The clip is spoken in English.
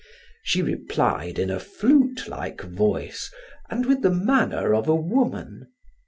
She replied in a flute like voice and with the manner of a woman.